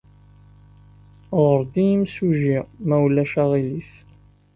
Ɣer-d i yimasujji, ma ulac aɣilif.